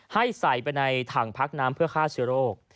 ให้ใส่ไปในถังพักน้ำเพื่อฆ่าเชื้อโรค